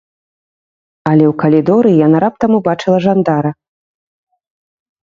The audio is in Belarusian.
Але ў калідоры яна раптам убачыла жандара.